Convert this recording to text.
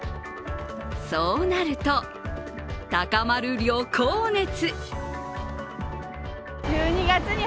そうなると高まる旅行熱。